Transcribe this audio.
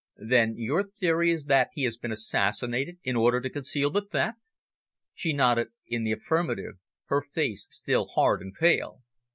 "Then your theory is that he has been assassinated in order to conceal the theft?" She nodded in the affirmative, her face still hard and pale.